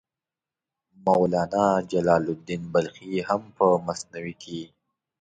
مولانا جلال الدین بلخي هم په مثنوي کې.